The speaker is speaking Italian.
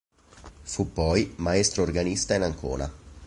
Fu poi maestro organista in Ancona.